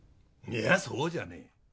いやそうじゃねえ。